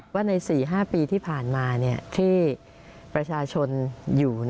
ว่าใน๔๕ปีที่ผ่านมาที่ประชาชนอยู่